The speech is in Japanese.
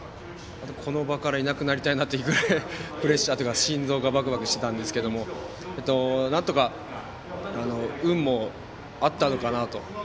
この場からいなくなりたいなというくらいプレッシャーというか、心臓がバクバクしていたんですけどなんとか運もあったのかなと。